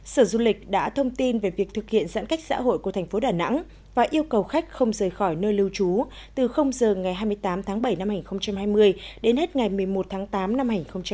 sở du lịch đã thông tin về việc thực hiện giãn cách xã hội của thành phố đà nẵng và yêu cầu khách không rời khỏi nơi lưu trú từ giờ ngày hai mươi tám tháng bảy năm hai nghìn hai mươi đến hết ngày một mươi một tháng tám năm hai nghìn hai mươi